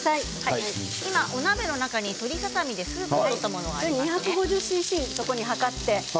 お鍋の中に鶏ささ身でスープを取ったものがあります。